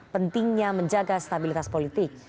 pentingnya menjaga stabilitas politik